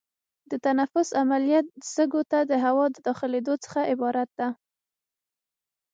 د تنفس عملیه سږو ته د هوا د داخلېدو څخه عبارت ده.